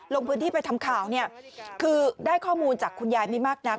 ลงพื้นที่ไปทำข่าวเนี่ยคือได้ข้อมูลจากคุณยายไม่มากนัก